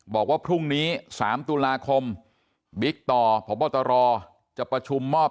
บอกว่าพรุ่งนี้๓ตุลาคมบิ๊กต่อพบตรจะประชุมมอบ